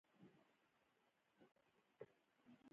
چلوونکی باید بیدار وي.